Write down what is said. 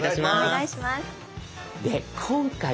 お願いします。